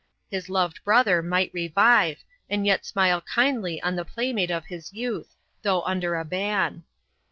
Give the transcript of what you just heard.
His loved brother might revive, and yet smile kindly on the playmate of his youth, though under a ban.